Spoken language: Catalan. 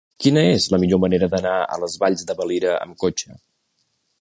Quina és la millor manera d'anar a les Valls de Valira amb cotxe?